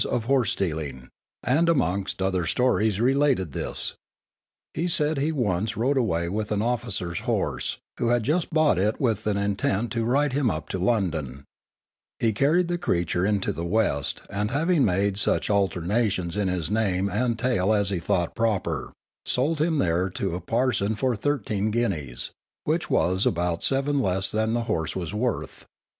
of horse stealing), and amongst other stories related this. He said he once rode away with an officer's horse, who had just bought it with an intent to ride him up to London; he carried the creature into the West, and having made such alterations in his mane and tail as he thought proper, sold him there to a parson for thirteen guineas, which was about seven less than the horse was worth.